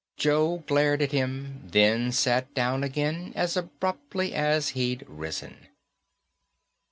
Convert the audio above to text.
Joe glared at him. Then sat down again, as abruptly as he'd arisen.